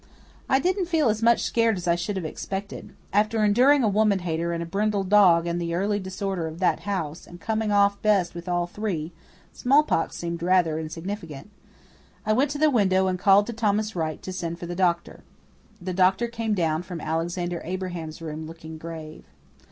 I didn't feel as much scared as I should have expected. After enduring a woman hater and a brindled dog and the early disorder of that house and coming off best with all three smallpox seemed rather insignificant. I went to the window and called to Thomas Wright to send for the doctor. The doctor came down from Alexander Abraham's room looking grave.